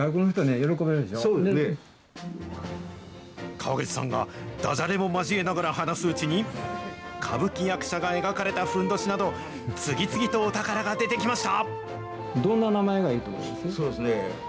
川口さんがだじゃれも交えながら話すうちに、歌舞伎役者が描かれたふんどしなど、次々とお宝が出てきました。